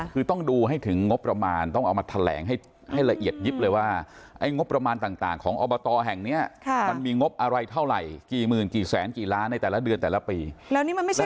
คือต้องดูให้ถึงงบประมาณต้องเอามาแถลงให้ละเอียดยิบเลยว่า